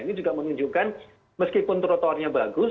ini juga menunjukkan meskipun trotoarnya bagus